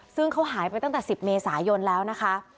ซึ่งเขาหายไปตั้งแต่๑๐เมษายนแล้วนะคะ